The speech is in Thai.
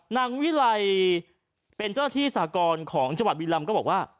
นางวิรัยเป็นเจ้าหน้าที่สากรของจังหวัดวิรรรมก็บอกว่า